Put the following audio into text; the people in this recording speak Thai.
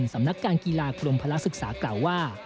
สำนักการกีฬากรมพลักษึกษากล่าวว่า